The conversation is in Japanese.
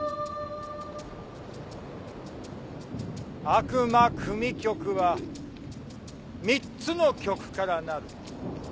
『悪魔組曲』は３つの曲から成る。